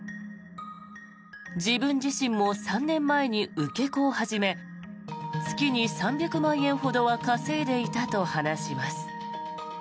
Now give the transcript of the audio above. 自分自身も３年前に受け子を始め月に３００万円ほどは稼いでいたと話します。